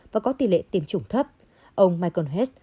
và có tỷ lệ tiêm chủng thấp ông michael hez